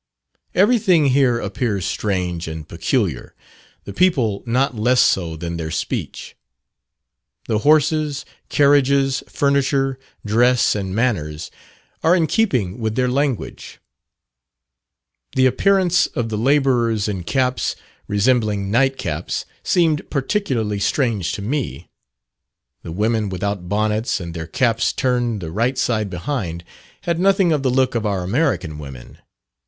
Everything here appears strange and peculiar the people not less so than their speech. The horses, carriages, furniture, dress, and manners, are in keeping with their language. The appearance of the labourers in caps, resembling nightcaps, seemed particularly strange to me. The women without bonnets, and their caps turned the right side behind, had nothing of the look of our American women.